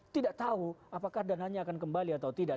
tidak tahu apakah dananya akan kembali atau tidak